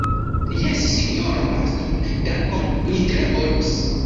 Jes, sinjoro Marston, dankon, mi tre volus.